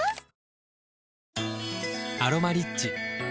「アロマリッチ」